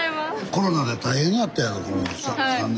コロナで大変やったやろこの３年。